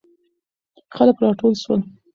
خلک راټول سول.